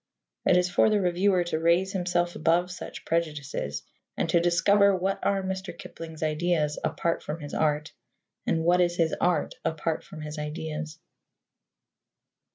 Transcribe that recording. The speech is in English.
It is for the reviewer to raise himself above such prejudices and to discover what are Mr. Kipling's ideas apart from his art, and what is his art apart from his ideas.